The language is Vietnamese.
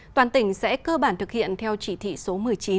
toàn tỉnh sẽ cơ bản thực hiện theo chỉ thị số một mươi chín